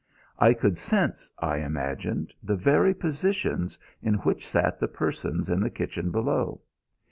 I could sense, I imagined, the very positions in which sat the persons in the kitchen below.